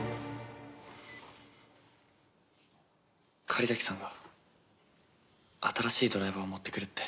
狩崎さんが新しいドライバーを持ってくるって。